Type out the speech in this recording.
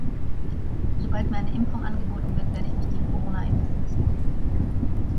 Sobald mir eine Impfung angeboten wird, werde ich mich gegen Corona impfen lassen.